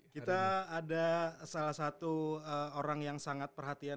kita ada salah satu orang yang sangat perhatian